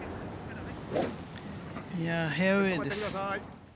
フェアウエーです。